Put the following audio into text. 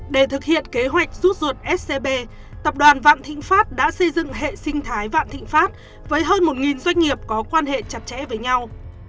để thực hiện kế hoạch rút ruột scb tập đoàn vạn thịnh pháp đã xây dựng hệ sinh thái vạn thịnh pháp với hơn một doanh nghiệp có quan hệ chặt chẽ với nhau